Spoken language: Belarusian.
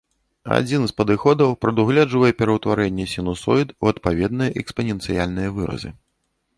Адзін з падыходаў прадугледжвае пераўтварэнне сінусоід ў адпаведныя экспаненцыяльныя выразы.